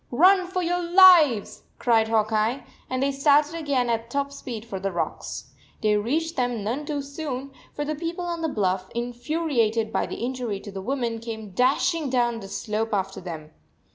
"Run for your lives," cried Hawk Eye, and they started again at top speed for the rocks. They reached them none too soon, for the people on the bluff, infuriated by the injury to the woman, came dashing down the slope after them.